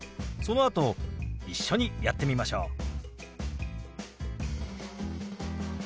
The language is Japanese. そのあと一緒にやってみましょう。